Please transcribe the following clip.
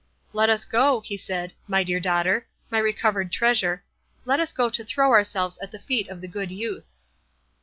"Let us go," he said, "my dear daughter, my recovered treasure—let us go to throw ourselves at the feet of the good youth."